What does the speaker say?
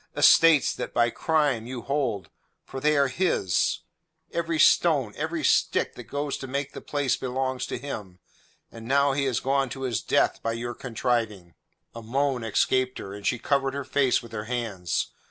Estates that by crime you hold for they are his; every stone, every stick that goes to make the place belongs to him, and now he has gone to his death by your contriving." A moan escaped her, and she covered her face with her hands.